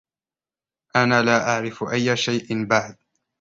أنا لا أعرف أي شئ بعد.